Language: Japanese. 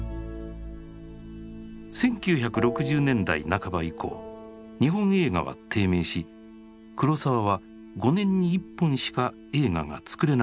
１９６０年代半ば以降日本映画は低迷し黒澤は５年に１本しか映画が作れなくなっていった。